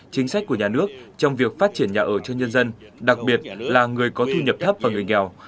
chính sách của nhà nước trong việc phát triển nhà ở cho nhân dân đặc biệt là người có thu nhập thấp và người nghèo